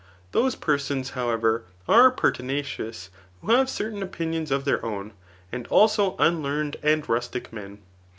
Thos« persons, however, are pertinacious, who have certain ofHuions of their own, and also unlearned and rustic men.